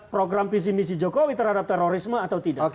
program visi misi jokowi terhadap terorisme atau tidak